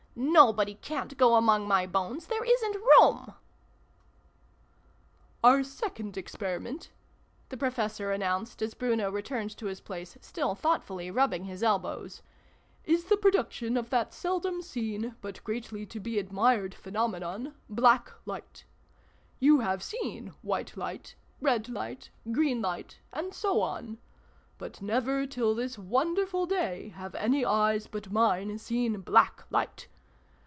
Nobody ca'n't go among my bones. There isn't room !"" Our Second Experiment," the Professor announced, as Bruno returned to his place, still thoughtfully rubbing his elbows, " is the pro duction of that seldom seen but greatly to be admired phenomenon, Black Light ! You have seen White Light, Red Light, Green Light, and so on : but never, till this wonderful day, have any eyes but mine seen Black Light